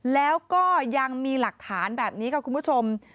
แล้วก็ยังมีหลักฐานแบบนี้ค่ะคุณผู้ชม